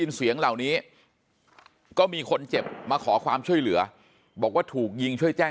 ยินเสียงเหล่านี้ก็มีคนเจ็บมาขอความช่วยเหลือบอกว่า